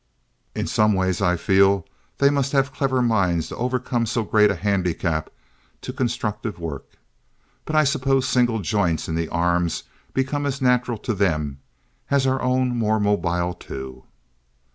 In some ways I feel they must have had clever minds to overcome so great a handicap to constructive work. But I suppose single joints in the arms become as natural to them as our own more mobile two.